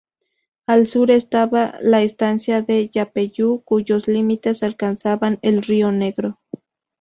Al sur estaba la Estancia de Yapeyú, cuyos límites alcanzaban el río Negro.